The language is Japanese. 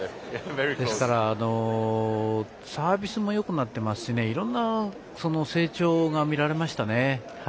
ですから、サービスもよくなっていますしいろんな成長が見られましたね。